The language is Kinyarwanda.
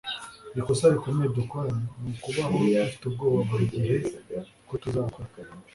Ikosa rikomeye dukora ni ukubaho dufite ubwoba buri gihe ko tuzakora.”